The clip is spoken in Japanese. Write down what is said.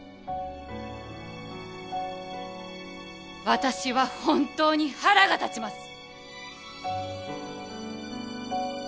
私は本当に腹が立ちます！